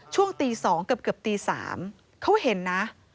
ช่วงตี๒เกือบตี๓เขาเห็นนะ